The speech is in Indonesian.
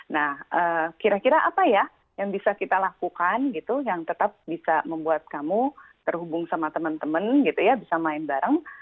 nah kira kira apa ya yang bisa kita lakukan gitu yang tetap bisa membuat kamu terhubung sama teman teman gitu ya bisa main bareng